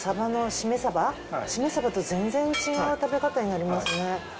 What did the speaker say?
シメサバと全然違う食べ方になりますね。